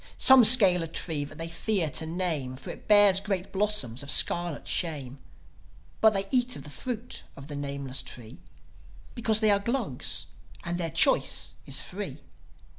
Some scale a tree that they fear to name, For it bears great blossoms of scarlet shame. But they eat of the fruit of the nameless tree, Because they are Glugs, and their choice is free.